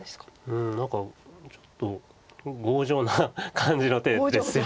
うん何かちょっと強情な感じの手ですよね。